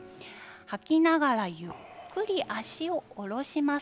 吐きながらゆっくりと足を下ろします。